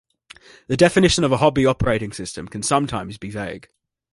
The definition of a hobby operating system can sometimes be vague.